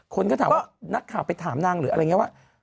คนก็ถามว่านักข่าวไปถามนางหรืออะไรอย่างนี้ว่า